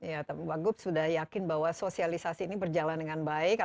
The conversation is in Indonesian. ya pak wagup sudah yakin bahwa sosialisasi ini berjalan dengan baik